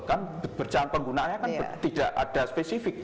kan penggunaannya kan tidak ada spesifik